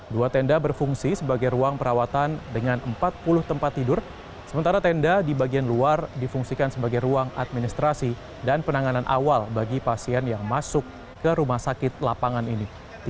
dua tenda berfungsi sebagai ruang perawatan dengan empat puluh tempat tidur sementara tenda di bagian luar difungsikan sebagai ruang administrasi dan penanganan awal bagi pasien yang masuk ke rumah sakit lapangan ini